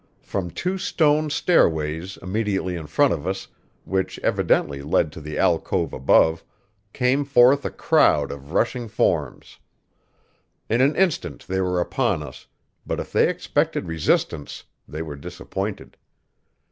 From two stone stairways immediately in front of us, which evidently led to the alcove above, came forth a crowd of rushing forms. In an instant they were upon us; but if they expected resistance they were disappointed.